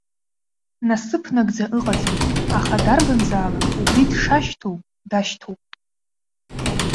Насыԥ нагӡа ыҟаӡам, аха дарбанзаалак убри дшашьҭоу дашьҭоуп.